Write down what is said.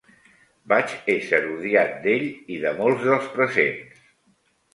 Vaig ésser odiat d'ell i de molts dels presents.